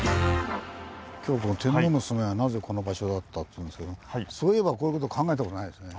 今日この「天皇の住まいはなぜこの場所だった？」というんですけどそういえばこういうこと考えたことないですね。